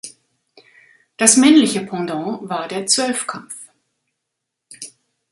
Das männliche Pendant war der Zwölfkampf.